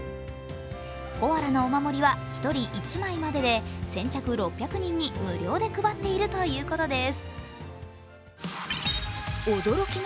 コアラのお守りは、１人１枚までで先着６００人に無料で配っているということです。